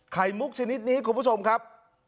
มุกชนิดนี้คุณผู้ชมครับ